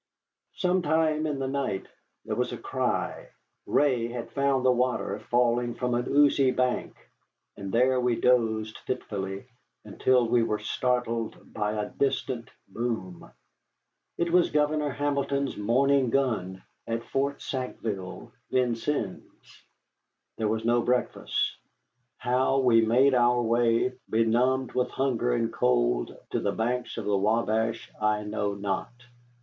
Sometime in the night there was a cry. Ray had found the water falling from an oozy bank, and there we dozed fitfully until we were startled by a distant boom. It was Governor Hamilton's morning gun at Fort Sackville, Vincennes. There was no breakfast. How we made our way, benumbed with hunger and cold, to the banks of the Wabash, I know not.